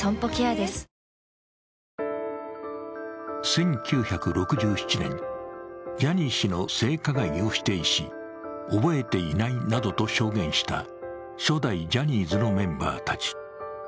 １９６７年、ジャニー氏の性加害を否定し覚えていないなどと証言した初代ジャニーズのメンバーたち。